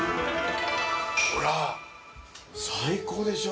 ほら最高でしょ。